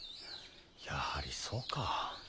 やはりそうか。